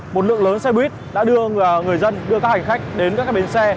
một lượng lớn xe buýt đã đưa người dân đưa các hành khách đến các bến xe